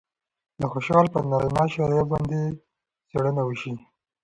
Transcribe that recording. د خوشال پر نارينه شاعرۍ باندې څېړنه وشي